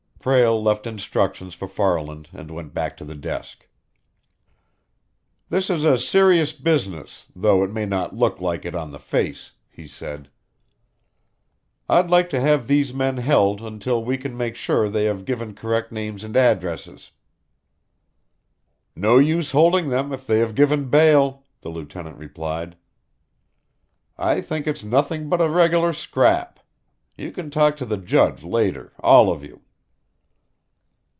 Prale left instructions for Farland and went back to the desk. "This is a serious business, though it may not look like it on the face," he said. "I'd like to have these men held until we can make sure they have given correct names and addresses." "No use holding them if they have given bail," the lieutenant replied. "I think it's nothing but a regular scrap. You can talk to the judge later, all of you."